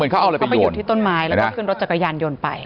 ก็ไปหยุดที่ต้นไม้แล้วก็ขึ้นรถจักรยานยนต์ไป